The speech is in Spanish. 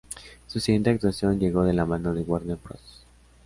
Su siguiente actuación llegó de la mano de Warner Bros.